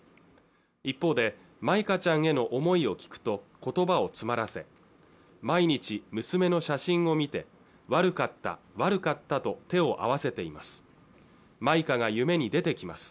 一方で舞香ちゃんへの思いを聞くと言葉を詰まらせ毎日娘の写真を見て悪かった悪かったと手を合わせています舞香が夢に出てきます